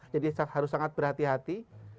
jadi harus sangat berhati hati